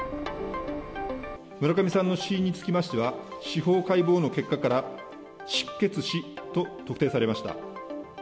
村上さんの死因につきましては、司法解剖の結果から、失血死と特定されました。